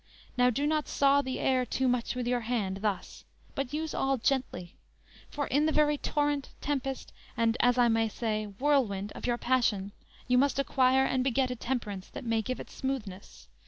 Now do not saw the air too Much with your hand, thus; but use all gently; For in the very torrent, tempest, and, As I may say, whirlwind of your passion, You must acquire and beget a temperance, That may give it smoothness.